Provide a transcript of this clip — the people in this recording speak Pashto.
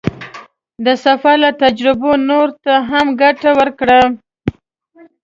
د سفر له تجربې نورو ته هم ګټه ورکړه.